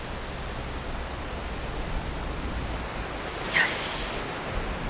よし。